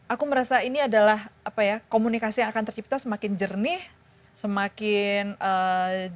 aku merasa ini adalah komunikasi yang akan tercipta semakin jernih semakin jujur dan on the other hand